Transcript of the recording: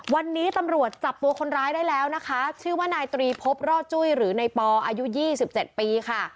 วันนี้ตำรวจจับตัวคนร้ายได้แล้วนะคะชื่อว่านายตรีพบรอดจุ้ยหรือในปออายุ๒๗ปีค่ะ